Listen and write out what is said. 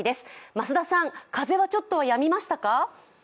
増田さん、風はちょっとやみましたか？